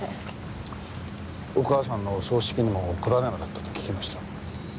お母さんのお葬式にも来られなかったと聞きました。